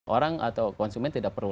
orang atau konsumen tidak perlu